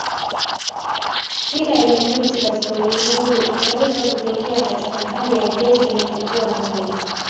Kila elementi katika ulimwengu inaweza kutokea katika hali ya gesi na kutoa nuru.